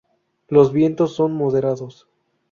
Los vientos son moderados.